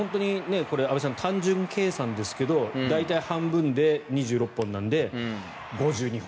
安部さん、単純計算ですが大体半分で２６本なので５２本。